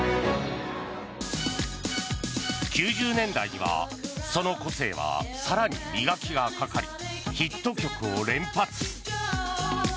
９０年代にはその個性は更に磨きがかかりヒット曲を連発。